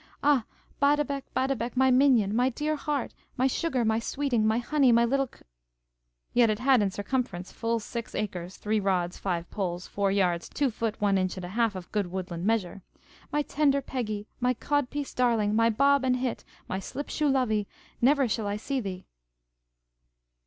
Ah, Badebec, Badebec, my minion, my dear heart, my sugar, my sweeting, my honey, my little c (yet it had in circumference full six acres, three rods, five poles, four yards, two foot, one inch and a half of good woodland measure), my tender peggy, my codpiece darling, my bob and hit, my slipshoe lovey, never shall I see thee!